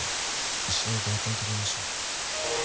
一緒にグラタン食べましょう